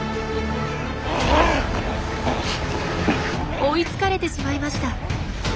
追いつかれてしまいました。